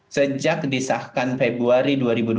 sejak disahkan februari dua ribu dua puluh